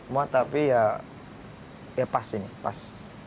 muat tapi ya pas ini pas